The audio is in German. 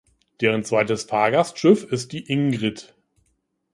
Deren zweites Fahrgastschiff ist die "Ingrid".